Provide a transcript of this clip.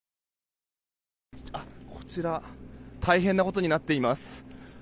こちら大変なことになっています。